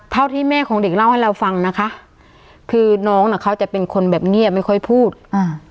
เท่าที่แม่ของเด็กเล่าให้เราฟังนะคะคือน้องน่ะเขาจะเป็นคนแบบเงียบไม่ค่อยพูดอ่า